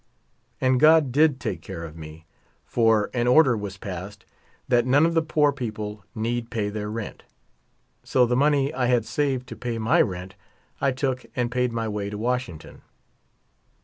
And God did take care of me ; for an order was passed that none of the poor people need pay their rent ; so the money I had saved to pay my rent I took and paid my way to Washington.